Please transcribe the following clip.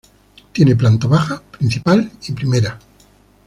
Tiene planta baja, principal y primera.